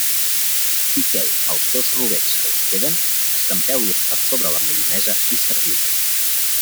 Piqueu els dos rovells que us queden, escampeu-los per sobre la maionesa i serviu.